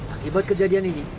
akibat kejadian ini